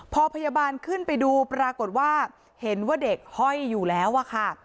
พอพยาบาลขึ้นไปดูปรากฏว่าเห็นว่าเด็กห้อยอยู่แล้วอะค่ะ